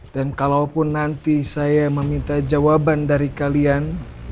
dan kalaupun nanti saya meminta jawaban dari kalian